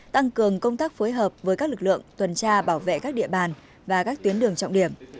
tăng cường công tác phối hợp với các lực lượng tuần tra bảo vệ các địa bàn và các tuyến đường trọng điểm